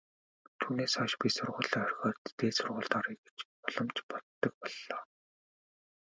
Түүнээс хойш би сургуулиа орхиод дээд сургуульд оръё гэж улам ч боддог боллоо.